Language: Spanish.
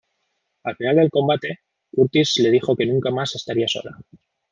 Al final del combate, Curtis le dijo que nunca más estaría sola.